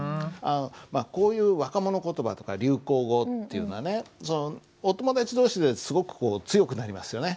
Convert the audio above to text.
こういう若者言葉とか流行語っていうのはねお友達同士ですごく強くなりますよね。